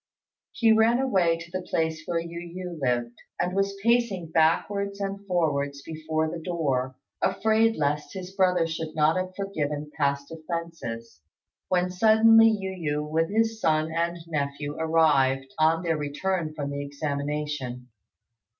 He ran away to the place where Yu yü lived, and was pacing backwards and forwards before the door, afraid lest his brother should not have forgiven past offences, when suddenly Yu yü, with his son and nephew, arrived, on their return from the examination.